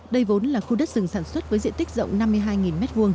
đây vốn là khu đất rừng sản xuất với diện tích rộng năm mươi hai m hai